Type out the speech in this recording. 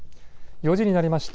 ４時になりました。